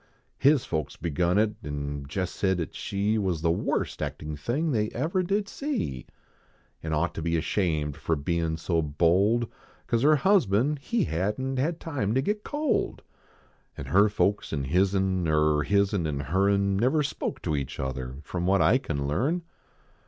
His folks begun it an jest said at she Was the worst actin thing they ever did see ; An ought to be ashamed fer bein so bold. Cause her husband he hadn t had time to get cold. En her folks an hiz n, Er hiz n an her n, Never spoke to each other From what I can learn.